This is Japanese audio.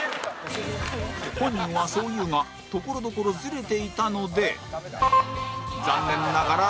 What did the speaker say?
本人はそう言うが所々ズレていたので残念ながら△